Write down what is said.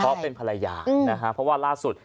เพราะเป็นภรรยานะฮะเพราะว่าล่าสุด